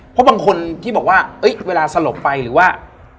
เพราะบางคนที่บอกว่าเวลาสลบไปหรือว่า